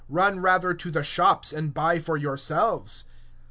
Go rather to those who sell, and buy for yourselves.